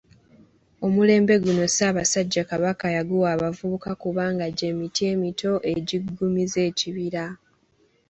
Omulembe guno Ssaabasajja Kabaka yaguwa abavubuka kubanga gy'emiti emito egiggumizza ekibira.